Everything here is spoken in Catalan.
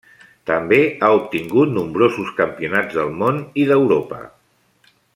També ha obtingut nombrosos campionats del món i d'Europa.